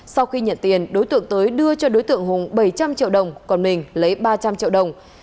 sau khi nhận tiền đối tượng tới đưa cho đối tượng hùng bảy trăm linh triệu đồng còn mình lấy ba trăm linh triệu đồng